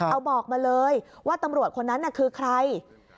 เอาบอกมาเลยว่าตำรวจคนนั้นคือใคร